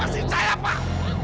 saya pasti jaya pak